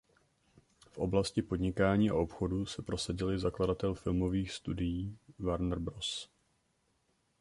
V oblasti podnikání a obchodu se prosadili zakladatel filmových studií Warner Bros.